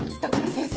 先生